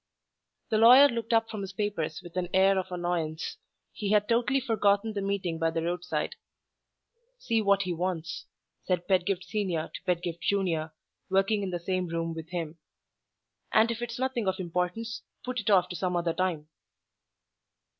The lawyer looked up from his papers with an air of annoyance: he had totally forgotten the meeting by the roadside. "See what he wants," said Pedgift Senior to Pedgift Junior, working in the same room with him. "And if it's nothing of importance, put it off to some other time."